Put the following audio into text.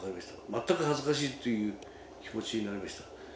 全く恥ずかしいという気持ちになりました。